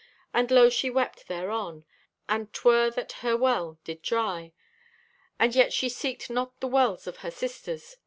And lo, she wept thereon, and 'twer that her well did dry, and yet she seeked not the wells of her sisters.